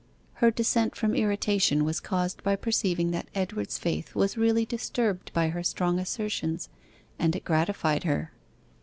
Her descent from irritation was caused by perceiving that Edward's faith was really disturbed by her strong assertions, and it gratified her.